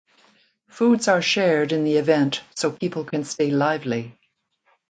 Foods are shared in the event so people can stay lively.